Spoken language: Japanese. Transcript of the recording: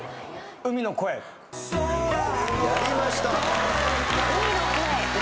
『海の声』やりました。